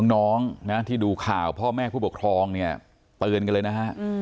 น้องนะที่ดูข่าวพ่อแม่ผู้ปกครองเนี่ยเตือนกันเลยนะฮะ